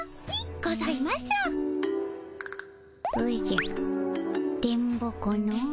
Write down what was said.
おじゃ電ボ子のう。